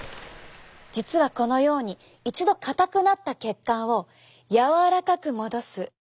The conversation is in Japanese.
実はこのように一度硬くなった血管を柔らかく戻す。